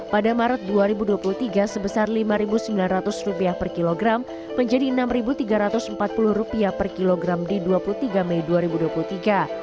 pada maret dua ribu dua puluh tiga sebesar rp lima sembilan ratus per kilogram menjadi rp enam tiga ratus empat puluh per kilogram di dua puluh tiga mei dua ribu dua puluh tiga